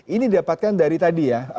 ini didapatkan dari tadi ya